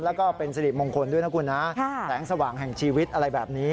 แล้วก็เป็นสติมงคลด้วยนะอะไรแบบนี้